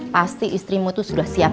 pasti istrimu tuh sudah siapin makanan